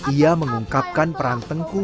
ia mengungkapkan peran tengku